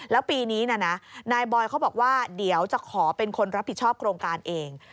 แล้วปีนี้นะนายบอยเขาบอกว่าเดี๋ยวจะขอเป็นคนรับผิดชอบโครงการเอง